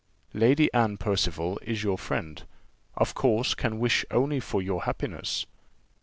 Lady Anne Percival is your friend, of course can wish only for your happiness.